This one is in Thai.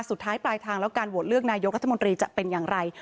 สุดท้ายปลายทางแล้วการโหวตเลือกนายกรัฐมนตรีจะเป็นอย่างไร